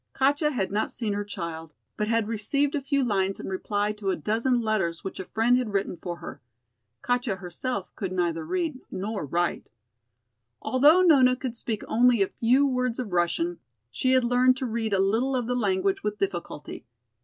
Katja had not seen her child, but had received a few lines in reply to a dozen letters which a friend had written for her. Katja herself could neither read nor write. Although Nona could speak only a few words of Russian, she had learned to read a little of the language with difficulty.